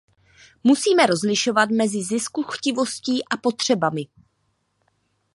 Musíme rozlišovat mezi ziskuchtivostí a potřebami.